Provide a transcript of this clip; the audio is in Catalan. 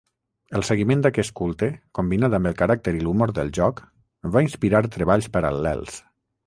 El seguiment d'aquest culte, combinat amb el caràcter i l'humor del joc, va inspirar treballs paral·lels.